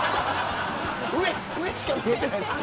上しか見えてないです。